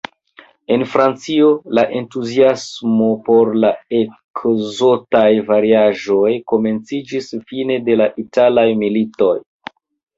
En Francio, la entuziasmo por la ekzotaj variaĵoj komenciĝis fine de la italaj militoj.